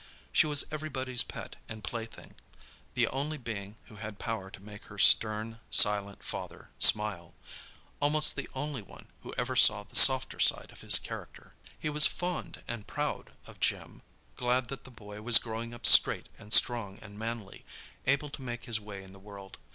She was everybody's pet and plaything; the only being who had power to make her stern, silent father smile—almost the only one who ever saw the softer side of his character. He was fond and proud of Jim—glad that the boy was growing up straight and strong and manly, able to make his way in the world.